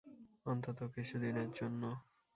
অন্তত কিছুদিনের জন্য।